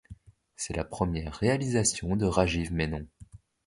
C'est la première réalisation de Rajiv Menon.